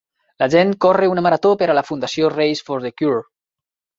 La gent corre una marató per a la Fundació Race for the Cure.